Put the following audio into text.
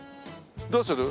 どうする？